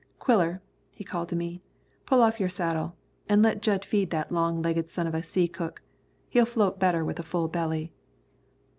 "Quiller," he called to me, "pull off your saddle, an' let Jud feed that long legged son of a seacook. He'll float better with a full belly."